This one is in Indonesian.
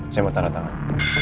saya mau taruh tangan